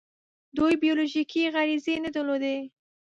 دوی بیولوژیکي غریزې نه درلودې.